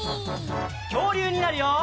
きょうりゅうになるよ！